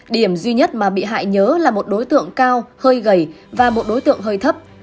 điểm duy nhất mà bị hại nhớ là một đối tượng cao hơi gầy và một đối tượng hơi thấp